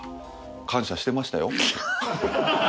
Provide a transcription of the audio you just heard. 感謝してましたよ。